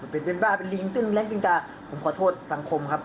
เป็นเป็นบ้าเป็นลิงตื่นแรงตื่นกาผมขอโทษสังคมครับ